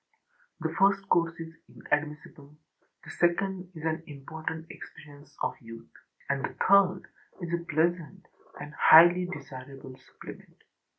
The first course is inadmissible, the second is an important experience of youth, and the third is a pleasant and highly desirable supplement.